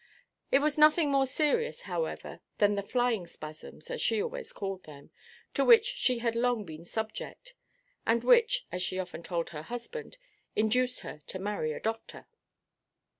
It was nothing more serious, however, than the "flying spasms," as she always called them, to which she had long been subject, and which (as she often told her husband) induced her to marry a doctor.